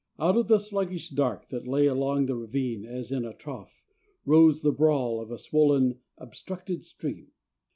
Out of the sluggish dark that lay along the ravine as in a trough, rose the brawl of a swollen, obstructed stream.